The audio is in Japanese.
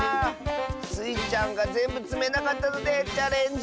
スイちゃんがぜんぶつめなかったのでチャレンジ